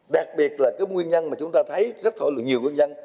đây là cái nguyên nhân mà chúng ta thấy rất là nhiều nguyên nhân